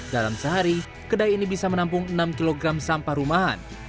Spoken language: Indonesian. dalam sehari kedai ini bisa menampung enam kg sampah rumahan